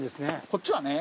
こっちはね。